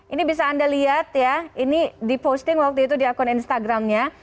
ini bisa anda lihat ya ini diposting waktu itu di akun instagramnya